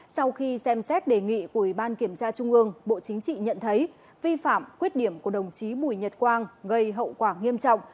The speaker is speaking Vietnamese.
sau khi xem xét đề nghị của ủy ban kiểm tra trung ương bộ chính trị nhận thấy vi phạm khuyết điểm của đồng chí bùi nhật quang gây hậu quả nghiêm trọng